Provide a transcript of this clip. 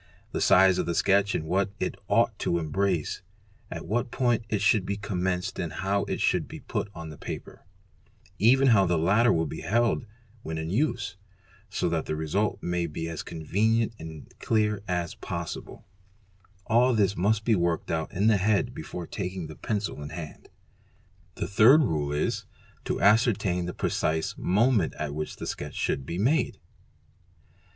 The size of the sketch and what ~ it ought to embrace, at what point it should be commenced and how it ~ should be put on the paper, even how the latter will be held when in use, so that the result may be as convenient and clear as possible—all . his must be worked out in the head before taking the pencil in hand. The third rule is, to ascertain the precise moment at which the sketch should be made.